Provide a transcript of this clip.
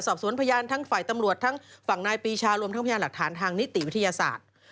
สอบสวนพยานทั้งฝ่ายตำรวจทั้งฝั่งนายปีชารวมทั้งพยานหลักฐานทางนิติวิทยาศาสตร์